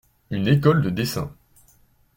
Une école de dessin.